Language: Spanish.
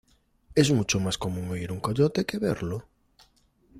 Es mucho más común oír un coyote que verlo.